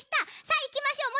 さあいきましょう。